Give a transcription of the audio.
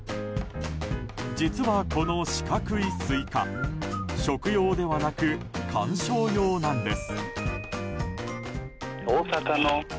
実はこの四角いスイカ食用ではなく観賞用なんです。